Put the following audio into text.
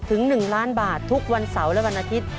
ถึง๑ล้านบาททุกวันเสาร์และวันอาทิตย์